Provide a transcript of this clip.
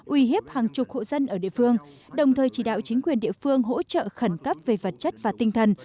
uy hiếp hàng chục hộ dân ở địa phương đồng thời chỉ đạo chính quyền địa phương hỗ trợ khẩn cấp về vật chất và tinh thần